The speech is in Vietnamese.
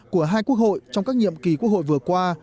của hai quốc hội trong các nhiệm kỳ quốc hội vừa qua